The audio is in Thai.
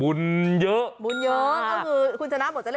บุญเยอะคุณชนะบอกจะเรียกน้องวัวน้องโคลก็ได้